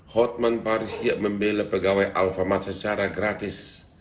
hotman paris siap membela pegawai alfamart secara gratis